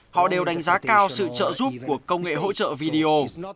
họ đều đánh giá cao sự trợ giúp của công nghệ hỗ trợ video